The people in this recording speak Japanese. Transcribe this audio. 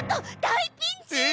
大ピンチ！え！